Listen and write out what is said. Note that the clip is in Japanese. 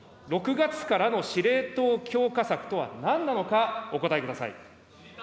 ６月からの司令塔強化策とはなんなのか、お答えください。